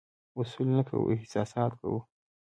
اصول نه کوو، احساسات کوو.